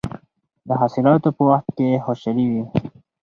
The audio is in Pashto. د حاصلاتو په وخت کې خوشحالي وي.